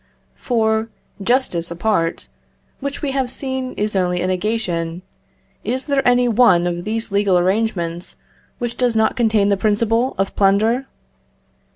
For, justice apart, which we have seen is only a negation, is there any one of these legal arrangements which does not contain the principle of plunder?